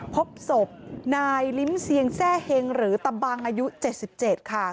พบศพนายลิ้มเสียงแทร่เฮงหรือตะบังอายุ๗๗ค่ะ